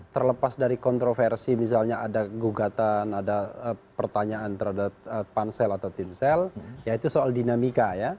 terlepas dari kontroversi misalnya ada gugatan ada pertanyaan terhadap pansel atau timsel yaitu soal dinamika ya